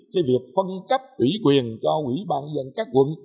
thì việc phân cấp ủy quyền cho ủy ban nhân dân các quận